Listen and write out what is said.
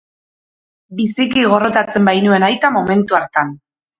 Biziki gorrotatzen bainuen aita momentu hartan.